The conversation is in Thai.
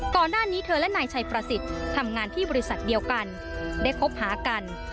ก่อนหน้านี้เธอและนายชัยประสิทธิ์ทำงานที่บริษัทเดียวกันได้คบหากัน